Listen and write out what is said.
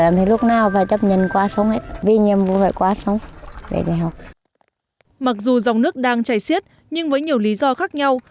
mặc dù dòng nước đang chảy xiết nhưng với nhiều lý do khác nhau